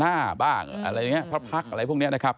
บ้างอะไรอย่างนี้พระพักษ์อะไรพวกนี้นะครับ